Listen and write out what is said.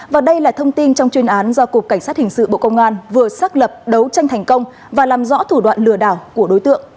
và đây là thông tin trong chuyên án do cục cảnh sát hình sự bộ công an vừa xác lập đấu tranh thành công và làm rõ thủ đoạn lừa đảo của đối tượng